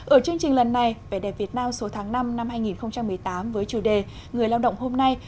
ở chương trình lần này vẻ đẹp việt nam số tháng năm năm hai nghìn một mươi tám với chủ đề người lao động hôm nay